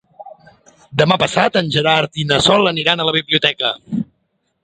Demà passat en Gerard i na Sol aniran a la biblioteca.